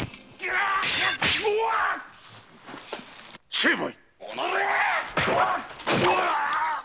成敗！